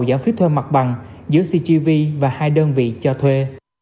giảm phí thuê mặt bằng giữa ctv và hai đơn vị cho thuê